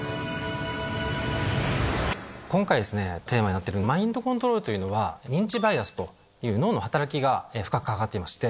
今回テーマになってるマインドコントロールというのは認知バイアスという脳の働きが深く関わっていまして。